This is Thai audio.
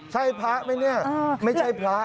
ใช่พระมั้ยเนี่ย